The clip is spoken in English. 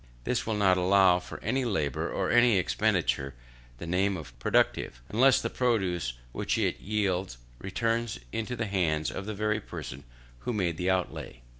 They will not allow to any labour or to any expenditure the name of productive, unless the produce which it yields returns into the hands of the very person who made the outlay.